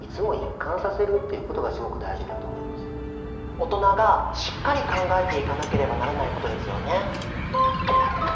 大人がしっかり考えていかなければならないことですよね。